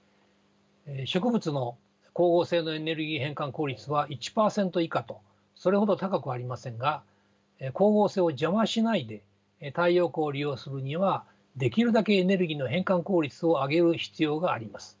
植物の光合成のエネルギー変換効率は１％以下とそれほど高くはありませんが光合成を邪魔しないで太陽光を利用するにはできるだけエネルギーの変換効率を上げる必要があります。